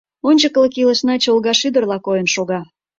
Ончыклык илышна чолга шӱдырла койын шога.